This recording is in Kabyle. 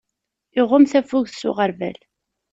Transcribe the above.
Iɣumm tafugt s uɣerbal.